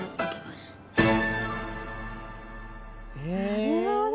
なるほど！